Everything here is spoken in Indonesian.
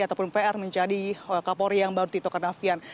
ataupun pr menjadi kapolri yang baru tito karnavian